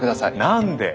何で。